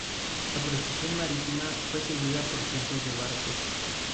La "procesión marítima" fue seguida por cientos de barcos.